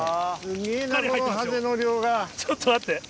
ちょっと待って。